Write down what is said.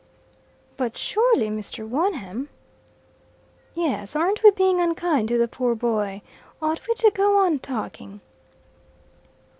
"But surely Mr. Wonham " "Yes; aren't we being unkind to the poor boy. Ought we to go on talking?"